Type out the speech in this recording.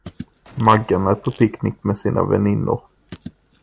Maggan är på picknick med sina väninnor.